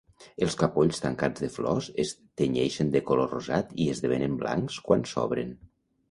Els capolls tancats de flors es tenyeixen de color rosat i esdevenen blancs quan s'obren.